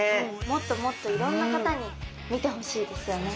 もっともっといろんな方に見てほしいですよね。